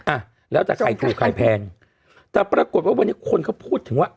อ่ะแล้วแต่ไข่ถูกไข่แพงแต่ปรากฏว่าวันนี้คนเขาพูดถึงว่า